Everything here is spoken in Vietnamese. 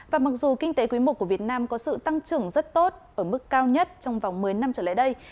và mặc dù kinh tế quý i của việt nam có sự tăng trưởng rất tốt ở mức cao nhất trong vòng một mươi năm trở lại đây